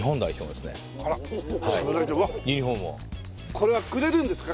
これはくれるんですか？